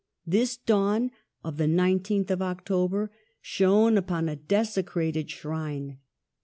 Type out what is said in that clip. This dawn of the 19th of October shone upon a desecrated shrine.